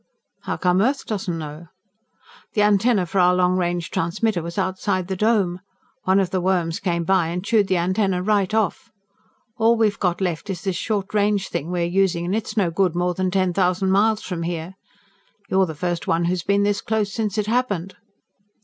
"How come Earth doesn't know?" "The antenna for our long range transmitter was outside the Dome. One of the worms came by and chewed the antenna right off. All we've got left is this short range thing we're using and it's no good more than ten thousand miles from here. You're the first one who's been this close since it happened."